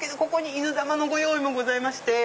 いぬ玉のご用意もございまして。